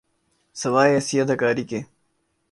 سوائے ایسی اداکاری کے۔